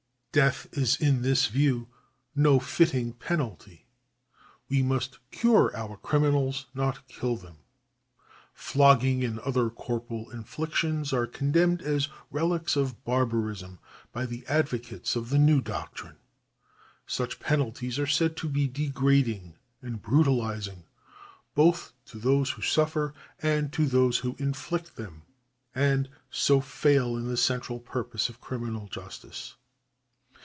Death is in this view no fitting penalty ; we must cure our criminals, not kill them. Flogging and other corporal inflictions are con demned as relics of barbarism by the advocates of the new doctrine ; such penalties are said to be degrading and brutalizing both to those who suffer and to those who inflict § 30 1 THE ADMINISTRATION OF JUSTICE 77 them, and so fail in the central purpose of criminal justice.